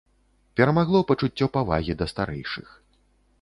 Перамагло пачуццё павагі да старэйшых.